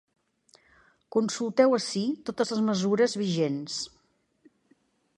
Consulteu ací totes les mesures vigents.